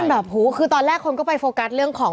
คนก็เป็นแบบคือตอนแรกคนก็ไปโฟกัสเรื่องของ